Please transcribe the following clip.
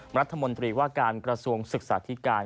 รัฐมนตรีว่าการกระทรวงศึกษาธิการ